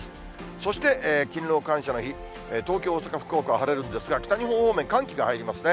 そして勤労感謝の日、東京、大阪、福岡は晴れるんですが、北日本方面、寒気が入りますね。